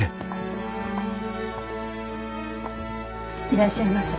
いらっしゃいませ。